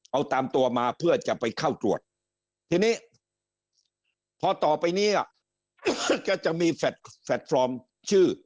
เอาตามตัวมาเพื่อจะไปเข้าตรวจทีนี้พอต่อไปนี้ก็จะมีแฟลตฟอร์มชื่อ